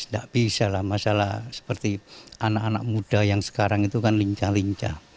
tidak bisa lah masalah seperti anak anak muda yang sekarang itu kan lincah lincah